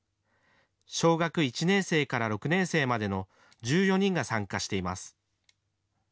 小学１年生から６年生までの１４人が参加しています。